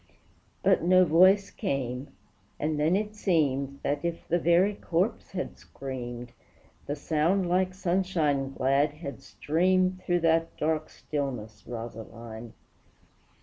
But no voice came, and then it seemed That, if the very corpse had screamed, The sound like sunshine glad had streamed Through that dark stillness, Rosaline!